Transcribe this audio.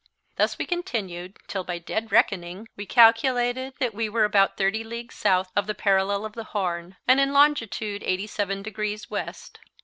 Thus we continued till by dead reckoning we calculated that we were about thirty leagues south of the parallel of the Horn, and in longitude eighty seven degrees west.